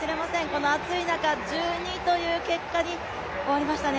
この暑い中１２位という結果に終わりましたね。